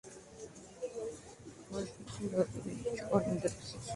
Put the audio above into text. En Turín conoció al fundador de dicha orden religiosa.